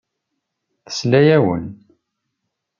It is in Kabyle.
Tesla-awen.